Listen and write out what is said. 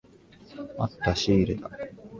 あった。シールだ。